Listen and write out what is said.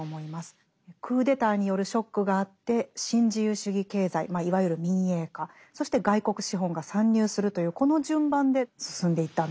クーデターによるショックがあって新自由主義経済いわゆる民営化そして外国資本が参入するというこの順番で進んでいったんですね。